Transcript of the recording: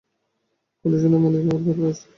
কন্ডিশনে মানিয়ে নেওয়ার ব্যাপারও ছিল।